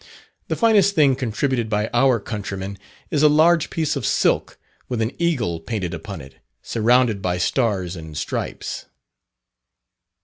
The finest thing contributed by our countrymen, is a large piece of silk with an eagle painted upon it, surrounded by stars and stripes.